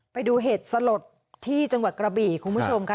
ไปดูเหตุสลดที่จังหวัดกระบี่คุณผู้ชมค่ะ